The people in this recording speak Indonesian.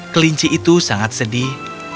kelinci itu sangat sedih